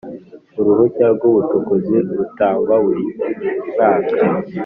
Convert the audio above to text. Uruhushya rw ubucukuzi rutangwa burimwaka .